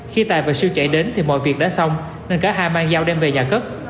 khi tài và siêu chạy đến thì mọi việc đã xong nên cả hai mang dao đem về nhà cất